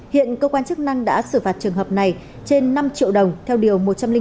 hiện cơ quan chức năng đã xử phạt trường hợp này trên năm triệu đồng theo điều một trăm linh bốn